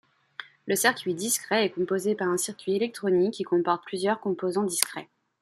Le circuit discret est composé par un circuit électronique qui comporte plusieurs composants discrets.